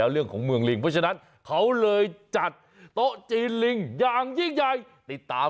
บ้างเรื่องของเมืองริงประอบฉะนั้นเขาเลยจัดตลิ่นอย่างยิ่งใหญ่ติดตาม